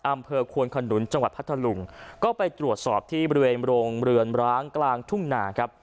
อำเภอควนขนุนจังหวัดพัทธลุงก็ไปตรวจสอบที่บริเวณโรงเรือนร้างกลางทุ่งนาครับ